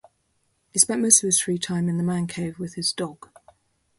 He spent most of his free time in the man cave with his dog